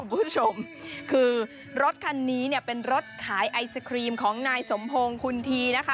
คุณผู้ชมคือรถคันนี้เนี่ยเป็นรถขายไอศครีมของนายสมพงศ์คุณทีนะคะ